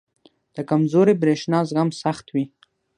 • د کمزوري برېښنا زغم سخت وي.